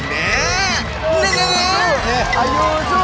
เยี่ยม